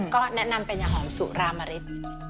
ก็แนะนำเป็นหอมสุรามริต